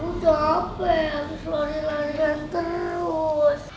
gue selalu dilanjeng terus